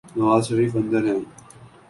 نوازشریف اندر ہیں۔